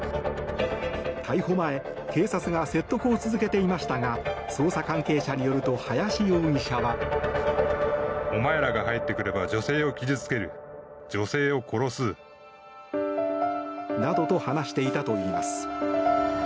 逮捕前、警察が説得を続けていましたが捜査関係者によると林容疑者は。などと話していたといいます。